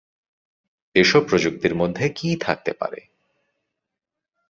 এসব প্রযুক্তির মধ্যে কি থাকতে পারে?